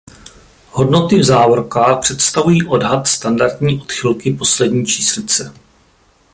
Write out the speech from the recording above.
Hodnoty v závorkách představují odhad standardní odchylky poslední číslice.